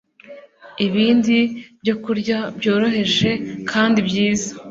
Ibindi byokurya byoroheje kandi byiza